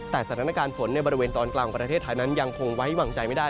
แต่สถานการณ์ฝนในบริเวณตอนกลางประเทศไทยนั้นยังคงไว้วางใจไม่ได้